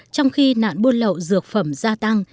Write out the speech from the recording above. trong khi nạn buôn lậu dược phẩm gia tăng